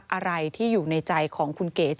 อะไรที่อยู่ในใจของคุณเก๋